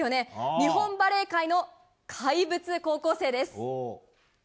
日本バレー界の怪物高校生です。